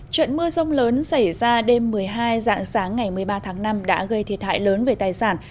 trận mưa rông lớn xảy ra đêm một mươi hai dạng sáng ngày một mươi ba tháng năm đã gây thiệt hại lớn về tài sản